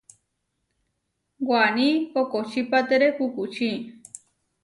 Waní kokočípatere kukuči.